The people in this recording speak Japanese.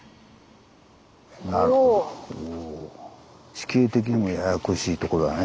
地形的にもややこしいとこだね